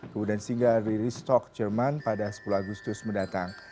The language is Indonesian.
kemudian singgah di ristock jerman pada sepuluh agustus mendatang